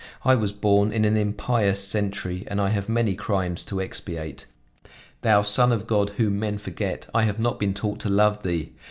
I was born in an impious century, and I have many crimes to expiate. Thou Son of God, whom men forget, I have not been taught to love Thee.